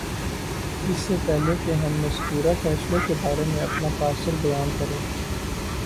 اس سے پہلے کہ ہم مذکورہ فیصلے کے بارے میں اپنا تاثر بیان کریں